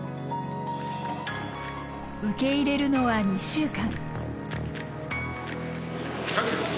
受け入れるのは２週間。